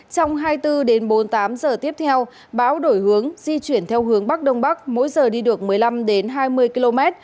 trong hai mươi bốn bốn mươi tám giờ tiếp theo bão đổi hướng di chuyển theo hướng bắc đông bắc mỗi giờ đi được một mươi năm hai mươi km